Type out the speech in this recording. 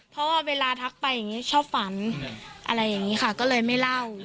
เพราะว่าเวลาทักไปอย่างนี้ชอบฝันอะไรอย่างนี้ค่ะก็เลยไม่เล่า